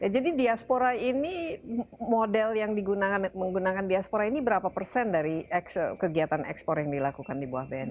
jadi diaspora ini model yang digunakan menggunakan diaspora ini berapa persen dari kegiatan ekspor yang dilakukan di bni